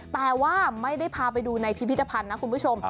แต่ว่าไม่ได้พาไปดูในพิพิธภัณฑ์นะคุณผู้ชม